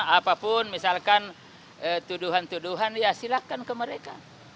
apapun misalkan tuduhan tuduhan ya silahkan ke mereka